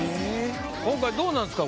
今回どうなんすか？